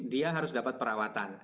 dia harus dapat perawatan